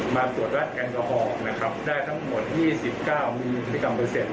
มาตรวจวัดแอลกอฮอล์นะครับได้ทั้งหมด๒๙มิลลิกรัมเปอร์เซ็นต